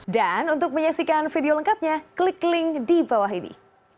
dan untuk menyaksikan video lengkapnya klik link di bawah ini